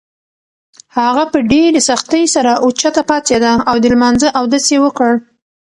هغه په ډېرې سختۍ سره اوچته پاڅېده او د لمانځه اودس یې وکړ.